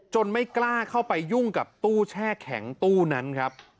ไม่กล้าเข้าไปยุ่งกับตู้แช่แข็งตู้นั้นครับ